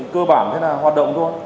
cơ bản thế là hoạt động thôi